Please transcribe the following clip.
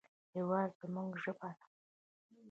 هېواد زموږ ژبه ده